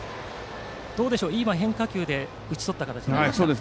今、変化球で打ち取った形になりました。